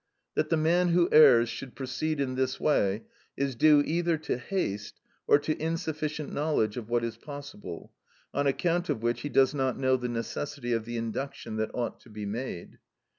That the man who errs should proceed in this way is due either to haste, or to insufficient knowledge of what is possible, on account of which he does not know the necessity of the induction that ought to be made.